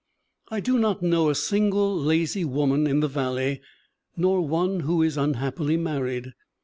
"I do not know a single lazy woman in the valley nor one who is unhappily married.